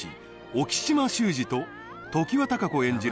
沖島柊二と常盤貴子演じる